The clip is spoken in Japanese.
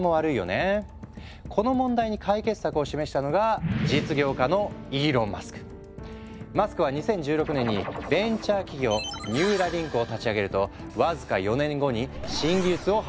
この問題に解決策を示したのがマスクは２０１６年にベンチャー企業ニューラリンクを立ち上げると僅か４年後に新技術を発表。